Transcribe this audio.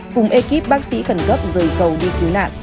cùng ekip bác sĩ khẩn cấp rời cầu đi cứu nạn